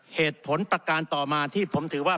เหตุผลประการต่อมาที่ผมถือว่า